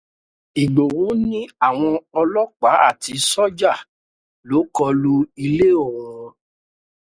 Ìgbòho ní àwọn ọlọ́pàá àti ṣọ́jà ló kọlu ilé òun.